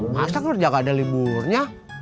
masa kerja gak ada liburnya